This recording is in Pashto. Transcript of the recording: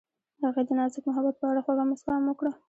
هغې د نازک محبت په اړه خوږه موسکا هم وکړه.